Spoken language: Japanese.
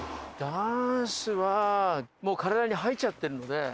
ダンスはもう体に入っちゃってるので。